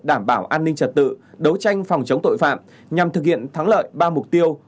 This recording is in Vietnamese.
đảm bảo an ninh trật tự đấu tranh phòng chống tội phạm nhằm thực hiện thắng lợi ba mục tiêu